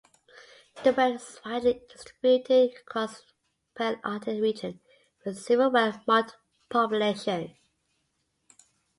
The bird is widely distributed across the Palearctic region with several well marked populations.